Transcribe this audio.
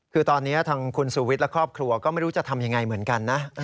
คือตอนนี้ทางคุณสูวิทย์และครอบครัวก็ไม่รู้จะทำยังไงเหมือนกันนะ